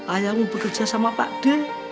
ayahmu bekerja sama pak dir